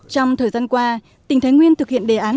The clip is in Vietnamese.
trong thời gian qua tỉnh thái nguyên thực hiện đề án